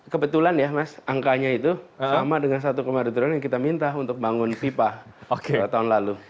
kebetulan ya mas angkanya itu sama dengan satu dua triliun yang kita minta untuk bangun pipa tahun lalu